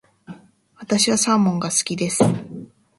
私はサーモンが好きです。